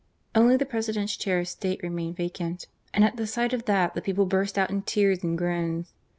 Only the President's chair of state remained vacant, and at the sight of that the people burst out in tears and groans.